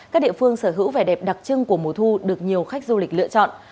các địa phương sở hữu vẻ đẹp đặc trưng của mùa thu được nhiều khách du lịch lựa chọn